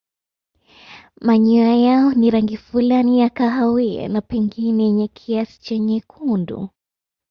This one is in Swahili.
Manyoya yao ni rangi fulani ya kahawia na pengine yenye kiasi cha nyekundu.